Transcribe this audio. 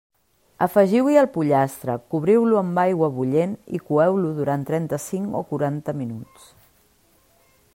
Afegiu-hi el pollastre, cobriu-lo amb aigua bullent i coeu-lo durant trenta-cinc o quaranta minuts.